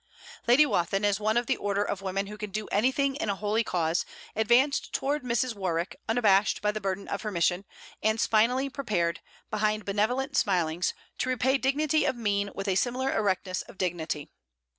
Lady Wathin, as one of the order of women who can do anything in a holy cause, advanced toward Mrs. Warwick, unabashed by the burden of her mission, and spinally prepared, behind benevolent smilings, to repay dignity of mien with a similar erectness of dignity.